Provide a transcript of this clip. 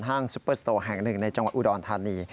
ซุปเปอร์สโตร์แห่งหนึ่งในจังหวัดอุดรธานี